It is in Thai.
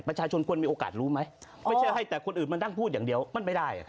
ประชาชนควรมีโอกาสรู้ไหมไม่ใช่ให้แต่คนอื่นมานั่งพูดอย่างเดียวมันไม่ได้